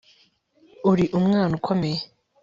uri umwana ukomeye